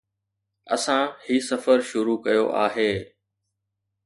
اسان هي سفر شروع ڪيو آهي